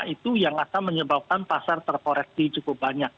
itu yang akan menyebabkan pasar terkoreksi cukup banyak